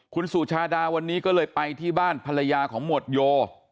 คุณสุชาดาวันนี้ก็เลยไปที่บ้านภรรยาของหมวดโย